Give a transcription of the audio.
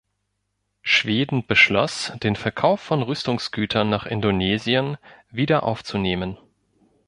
Schweden beschloß, den Verkauf von Rüstungsgütern nach Indonesien wiederaufzunehmen.